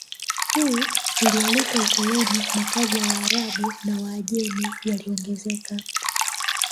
Hii ilialika ukoloni Makazi ya Waarabu na Waajemi yaliongezeka